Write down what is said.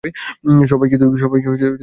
সবাইকে তুই পিষে ফেলবি?